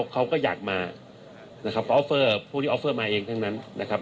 เขาก็อยากมาพวกที่ออฟเฟอร์มาเองทั้งนั้นนะครับ